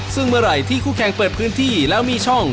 ซึ่งเมื่อไหร่ที่คู่แข่งเปิดพื้นที่แล้วมีช่อง